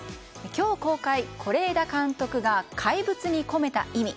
今日公開、是枝監督が「怪物」に込めた意味。